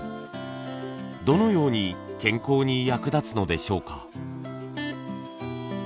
どのように健康に役立つのでしょうか。